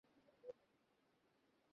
কারণ আত্মার ক্ষয় বা অধঃপতন নাই।